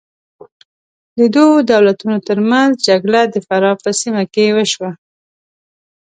د دوو دولتونو تر منځ جګړه د فراه په سیمه کې وشوه.